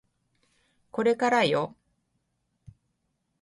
これからよ